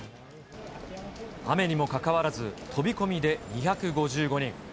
雨にもかかわらず、飛び込みで２５５人。